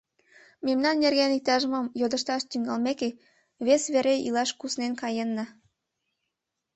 Мемнан нерген иктаж-мом йодышташ тӱҥалмеке, вес вере илаш куснен каенна.